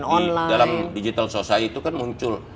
karena di dalam digital society itu kan muncul